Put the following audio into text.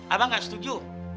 abang gak setuju